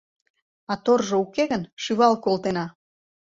А торжо уке гын — шӱвал колтена!